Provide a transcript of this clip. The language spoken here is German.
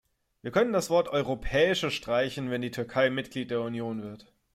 Wir können das Wort "Europäische" streichen, wenn die Türkei Mitglied der Union wird.